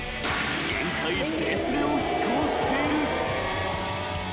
［限界すれすれを飛行している］